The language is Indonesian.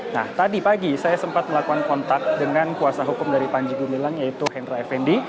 nah tadi pagi saya sempat melakukan kontak dengan kuasa hukum dari panji gumilang yaitu hendra effendi